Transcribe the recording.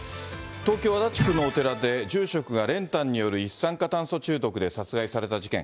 東京・足立区のお寺で、住職が練炭による一酸化炭素中毒で殺害された事件。